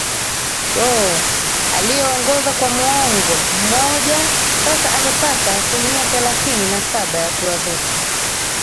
bo aliyeongoza kwa muongo mmoja sasa amepata aslimia thelathini na saba ya kura zote